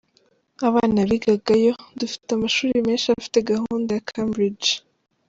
Abana bigaga yo ,dufite amashuri menshi afite gahunda ya Cambridge.